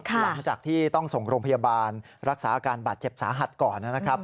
หลังจากที่ต้องส่งโรงพยาบาลรักษาอาการบาดเจ็บสาหัสก่อนนะครับ